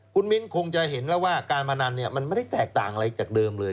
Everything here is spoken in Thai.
คุณมิ้นคงจะเห็นแล้วว่าการพนันมันไม่ได้แตกต่างอะไรจากเดิมเลย